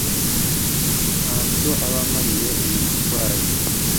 ntacyo aba amariye uyu murwayi.